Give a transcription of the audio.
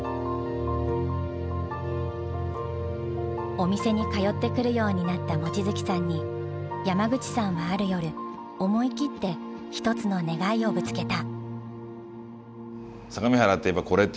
お店に通ってくるようになった望月さんに山口さんはある夜思い切ってひとつの願いをぶつけた。